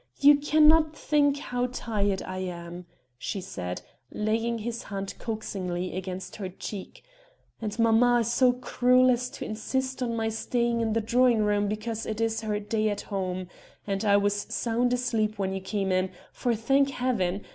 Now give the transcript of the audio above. you cannot think how tired I am," she said, laying his hand coaxingly against her cheek, "and mamma is so cruel as to insist on my staying in the drawing room because it is her day at home, and I was sound asleep when you came in, for thank heaven!